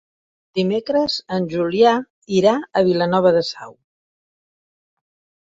Dimecres en Julià irà a Vilanova de Sau.